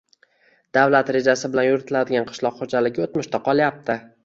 avlat rejasi bilan yuritiladigan qishloq xo‘jaligi o‘tmishda qolyapti